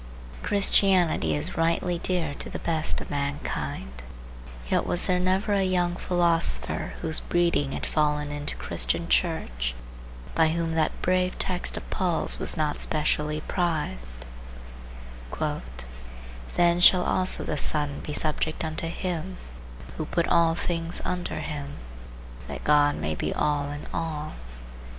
Christianity is rightly dear to the best of mankind; yet was there never a young philosopher whose breeding had fallen into the Christian church by whom that brave text of Paul's was not specially prized:—"Then shall also the Son be subject unto Him who put all things under him, that God may be all in all."